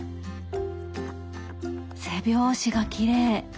背表紙がきれい！